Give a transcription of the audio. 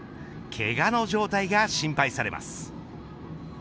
けがの状態が心配されます。